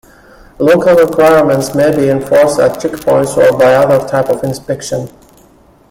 Local requirements may be enforced at checkpoints or by other type of inspection.